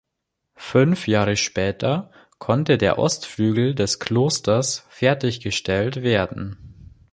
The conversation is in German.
Fünf Jahre später konnte der Ostflügel des Klosters fertiggestellt werden.